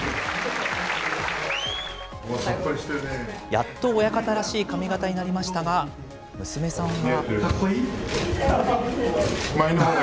やっと親方らしい髪形になりましたが、娘さんは。